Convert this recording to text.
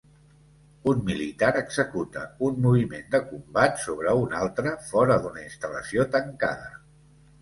Un militar executa un moviment de combat sobre un altre fora d'una instal·lació tancada.